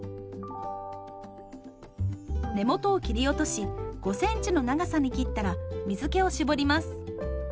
根元を切り落とし５センチの長さに切ったら水けを絞ります。